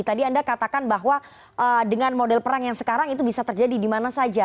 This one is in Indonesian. tadi anda katakan bahwa dengan model perang yang sekarang itu bisa terjadi di mana saja